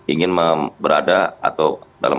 ingin berada atau dalam